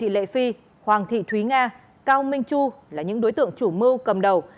lệ phi hoàng thị thúy nga cao minh chu là những đối tượng chủ mưu cầm đầu